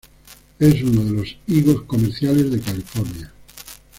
Es uno de los higos comerciales de California.